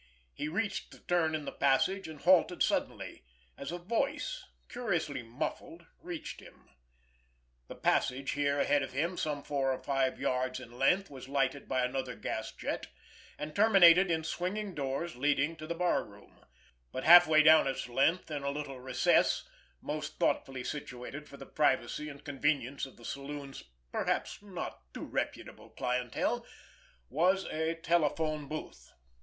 He reached the turn in the passage, and halted suddenly, as a voice, curiously muffled, reached him. The passage here ahead of him, some four or five yards in length, was lighted by another gas jet, and terminated in swinging doors leading to the barroom; but halfway down its length, in a little recess, most thoughtfully situated for the privacy and convenience of the saloon's perhaps none too reputable clientele, was a telephone booth.